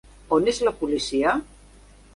On és la policia?